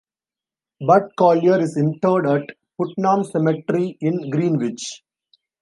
Bud Collyer is interred at Putnam Cemetery in Greenwich.